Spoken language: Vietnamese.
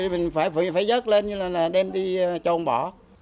mình phải dớt lên như là đem đi cho ông bỏ